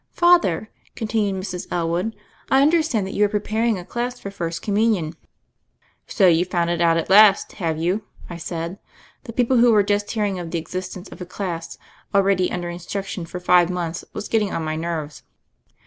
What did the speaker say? "Father," continued Mrs. Elwood, "I under stand that you are preparing a class for First Communion." "So youVe found it out at last, have you ?" I said. The people who were just hearing of the existence of a class already under instruction for five months was getting on my nerves.